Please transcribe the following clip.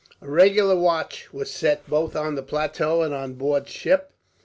A regular watch was set, both on the plateau and on board ship.